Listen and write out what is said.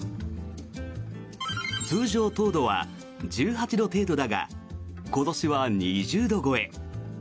通常、糖度は１８度程度だが今年は２０度超え。